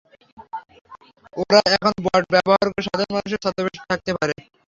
ওরা এখন বট ব্যবহার করে সাধারণ মানুষের ছদ্মবেশে থাকতে পারে।